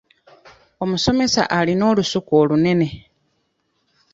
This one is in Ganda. Omusomesa alina olusuku olunene.